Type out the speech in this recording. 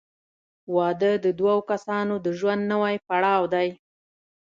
• واده د دوه کسانو د ژوند نوی پړاو دی.